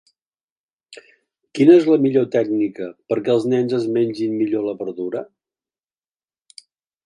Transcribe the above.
Quina és la millor tècnica perquè els nens es mengin millor la verdura?